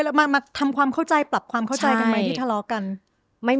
แล้วมาทำความเข้าใจปรับความเข้าใจกันไหม